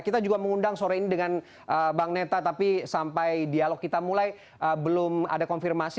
kita juga mengundang sore ini dengan bang neta tapi sampai dialog kita mulai belum ada konfirmasi